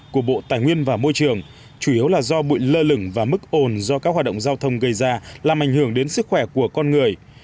của bộ tài nguyên và môi trường chủ yếu là do bụi lơ lửng và mức ồn do các hoạt động giao thông gây ra làm ảnh hưởng đến sức khỏe của con người